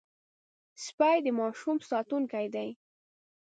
سپي د ماشوم ساتونکي دي.